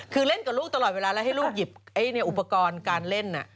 คือเล่นกับลูกตลอดเวลาแล้วให้ลูกหยิบอุปกรณ์การเล่น